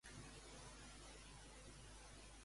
Qui va conquerir Àsine?